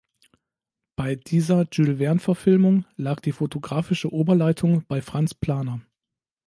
Bei dieser Jules-Verne-Verfilmung lag die fotografische Oberleitung bei Franz Planer.